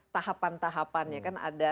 tahapan tahapannya kan ada